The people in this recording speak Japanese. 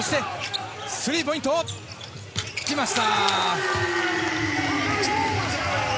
スリーポイントきました。